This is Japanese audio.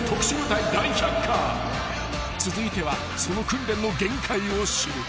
［続いてはその訓練の限界を知る］